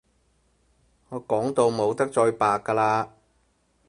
我講到冇得再白㗎喇